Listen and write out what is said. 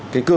cái cơ hội